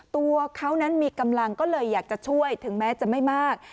ตัวเขานั้นมีกำลังก็เลยอยากจะช่วยถึงแม้จะไม่มาก